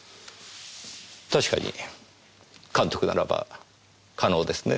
確かに監督ならば可能ですね。